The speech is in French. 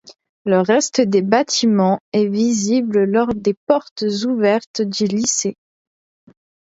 Le reste des bâtiments est visible lors des Portes ouvertes du lycée.